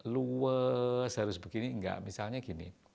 luwes harus begini enggak misalnya gini